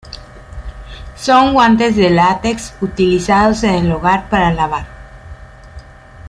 Son guantes de látex utilizados en el hogar para lavar.